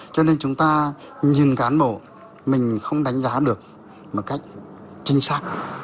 cho nên chúng ta nhìn cán bộ mình không đánh giá được một cách chính xác